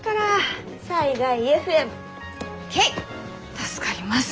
助かります。